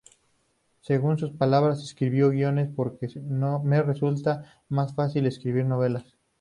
Según sus palabras: "Escribo guiones porque me resulta más fácil que escribir novelas".